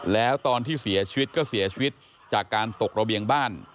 แล้วตอนที่เสียชีวิตก็เสียชีวิตจากการตกระเบียงบ้าน